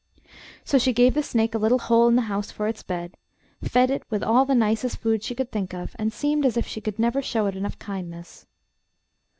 So she gave the snake a little hole in the house for its bed, fed it with all the nicest food she could think of, and seemed as if she never could show it enough kindness.